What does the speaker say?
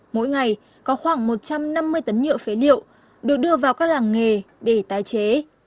mỗi ngày có khoảng một trăm năm mươi tấn nhựa phế liệu được đưa vào các làng nghề để tái chế